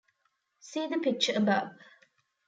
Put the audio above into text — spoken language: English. See the picture above.